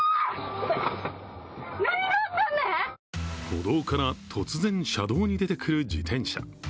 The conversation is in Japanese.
歩道から突然車道に出てくる自転車。